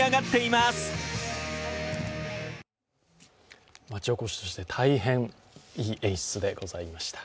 まちおこしとして、大変いい演出でございました。